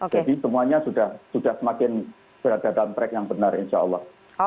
jadi semuanya sudah semakin berada dalam track yang benar insya allah